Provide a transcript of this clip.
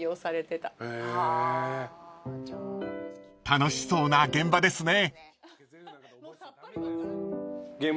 ［楽しそうな現場ですね］